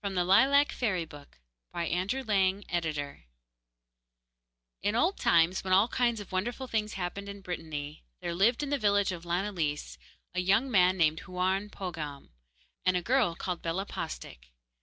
The Groac'h of the Isle of Lok In old times, when all kinds of wonderful things happened in Brittany, there lived in the village of Lanillis, a young man named Houarn Pogamm and a girl called Bellah Postik.